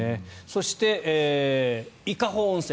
そして、伊香保温泉。